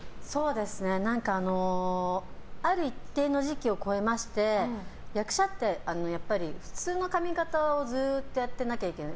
何かある一定の時期を越えまして役者ってやっぱり普通の髪形をずっとやってなきゃいけない。